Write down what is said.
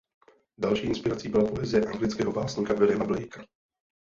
Další inspirací byla poezie anglického básníka Williama Blakea.